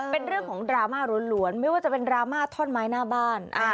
เป็นเรื่องของดราม่าล้วนไม่ว่าจะเป็นดราม่าท่อนไม้หน้าบ้าน